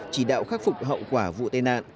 chỉ đạo khắc phục hậu quả vụ tai nạn